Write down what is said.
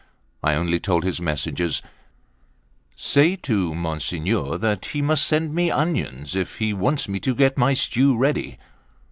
I only told his messengers: "Say to Monsignor that he must send me onions, if he wants me to get my stew ready."